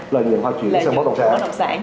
lời nhận hoa chuyển sang bất động sản